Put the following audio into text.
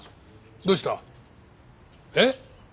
どうした？えっ！？